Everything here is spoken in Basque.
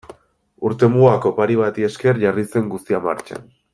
Urtemugako opari bati esker jarri zen guztia martxan.